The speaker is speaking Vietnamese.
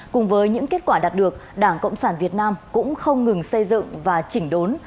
cùng với những kết quả đạt được đảng cộng sản việt nam cũng không ngừng xây dựng và chỉnh đốn